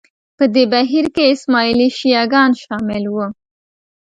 په دې بهیر کې اسماعیلي شیعه ګان شامل وو